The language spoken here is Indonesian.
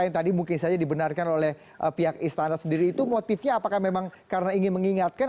yang tadi mungkin saja dibenarkan oleh pihak istana sendiri itu motifnya apakah memang karena ingin mengingatkan